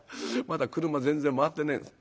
まだ俥全然回ってねえんです」。